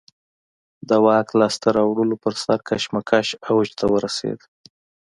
د واک لاسته راوړلو پر سر کشمکش اوج ته ورسېد